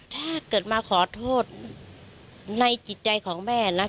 ถ้าเกิดมาขอโทษในจิตใจของแม่นะ